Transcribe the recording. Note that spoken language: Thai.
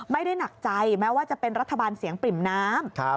ไม่ได้หนักใจแม้ว่าจะเป็นรัฐบาลเสียงปริ่มน้ำ